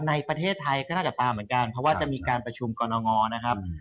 ในประเทศไทยก็น่าจะตามเหมือนกันเพราะว่าจะมีการประชุมกรณงอนะครับ